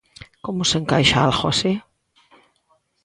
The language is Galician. Como se encaixa algo así?